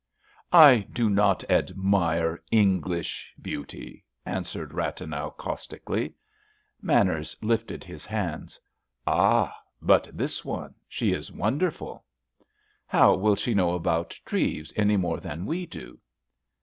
"I do not admire English beauty," answered Rathenau, caustically. Manners lifted his hands. "Ah, but this one, she is wonderful!" "How will she know about Treves, any more than we do?"